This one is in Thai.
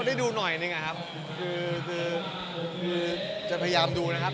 มีอีกประมาณ๑๐ปี